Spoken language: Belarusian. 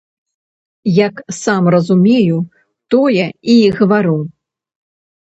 Як сам разумею, тое і гавару.